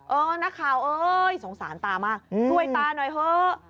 นักข่าวเอ้ยสงสารตามากช่วยตาหน่อยเถอะ